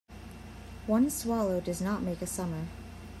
One swallow does not make a summer.